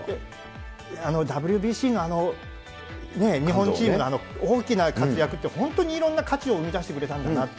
ＷＢＣの日本チームのあの大きな活躍って、本当にいろんな価値を生み出してくれたんだなって。